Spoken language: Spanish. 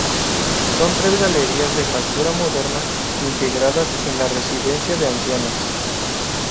Son tres galerías de factura moderna, integradas en la residencia de ancianos.